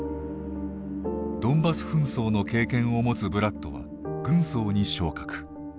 ドンバス紛争の経験を持つブラッドは軍曹に昇格。